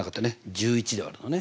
１１で割るのね。